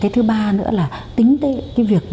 thứ ba nữa là tính tệ